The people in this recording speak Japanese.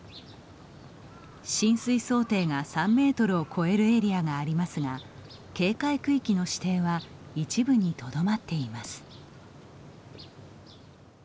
浸水想定が３ｍを超えるエリアがありますが警戒区域の指定は一部にとどまっています。